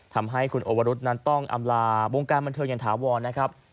ทำให้คุณโอวรุษนั้นต้องอำลาวงการบันเทิงอย่างถาวรนะครับ